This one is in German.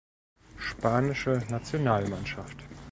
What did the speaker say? Spanische Nationalmannschaft